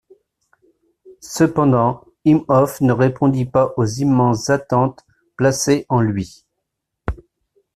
Cependant, Imhoff ne répondit pas aux immenses attentes placées en lui.